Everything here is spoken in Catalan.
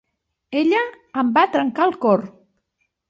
Ella em va trencar el cor.